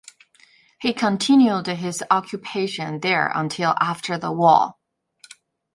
He continued his occupation there until after the war.